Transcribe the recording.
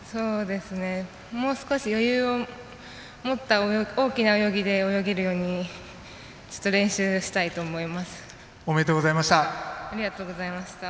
もう少し余裕を持った大きな泳ぎで泳げるようにおめでとうございました。